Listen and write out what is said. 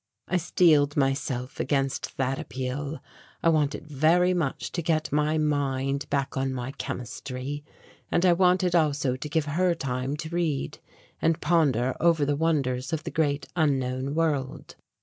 I steeled myself against that appeal. I wanted very much to get my mind back on my chemistry, and I wanted also to give her time to read and ponder over the wonders of the great unknown world.